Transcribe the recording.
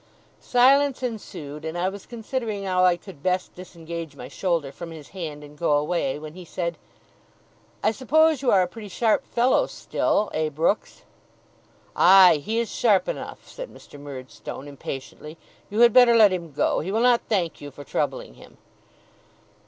Silence ensued, and I was considering how I could best disengage my shoulder from his hand, and go away, when he said: 'I suppose you are a pretty sharp fellow still? Eh, Brooks?' 'Aye! He is sharp enough,' said Mr. Murdstone, impatiently. 'You had better let him go. He will not thank you for troubling him.